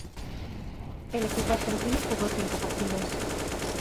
El equipo argentino jugó cinco partidos.